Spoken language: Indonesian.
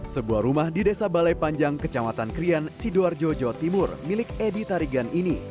sebuah rumah di desa balai panjang kecamatan krian sidoarjo jawa timur milik edi tarigan ini